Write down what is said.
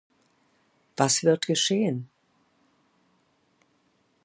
Was wird geschehen?